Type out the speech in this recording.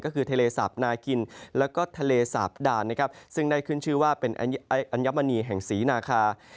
ก็คือทะเลสาบนากินแล้วก็ทะเลสาบด่านนะครับซึ่งได้ขึ้นชื่อว่าเป็นอัญมณีแห่งศรีนาคา